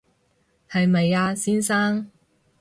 係咪啊，先生